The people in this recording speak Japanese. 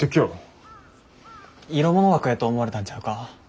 色物枠やと思われたんちゃうか。